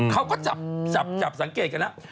เขาก็จับสังเกตกันแล้ว